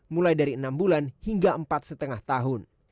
mulai dari enam bulan hingga empat lima tahun